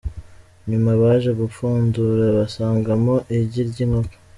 Nyuma baje gupfundura basangamo igi ry’inkoko.